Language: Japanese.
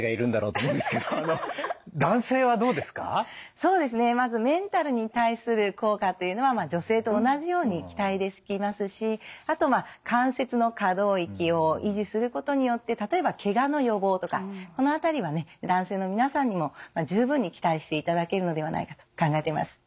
そうですねまずメンタルに対する効果というのは女性と同じように期待できますしあとまあ関節の可動域を維持することによって例えばケガの予防とかこの辺りはね男性の皆さんにも十分に期待していただけるのではないかと考えています。